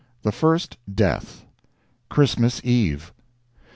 THE FIRST DEATH CHRISTMAS EVE.